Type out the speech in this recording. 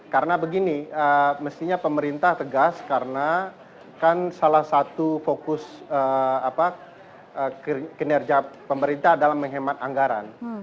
karena begini mestinya pemerintah tegas karena kan salah satu fokus kinerja pemerintah adalah menghemat anggaran